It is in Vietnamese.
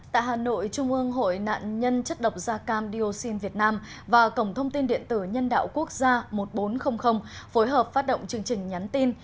tại hà nội trung ương hội nạn nhân chất độc da cam dioxin việt nam và cổng thông tin điện tử nhân đạo quốc gia một nghìn bốn trăm linh phối hợp phát động chương trình nhắn tin